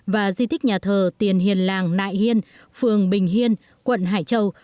và di tích nhà thờ tiền hiền làng nại hiên phường bình hiên quận hải châu